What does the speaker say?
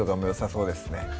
そうですね